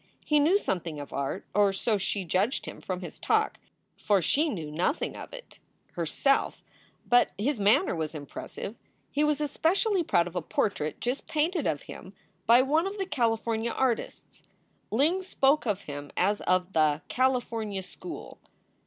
He knew something of art, or so she judged him from his talk, for she knew nothing of it SOULS FOR SALE 343 herself; but his manner was impressive. He was especially proud of a portrait just painted of him by one of the Cali fornia artists. Ling spoke of him as of the "California school."